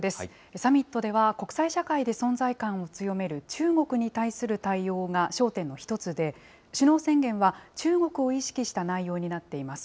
サミットでは、国際社会で存在感を強める中国に対する対応が焦点の１つで、首脳宣言は中国を意識した内容になっています。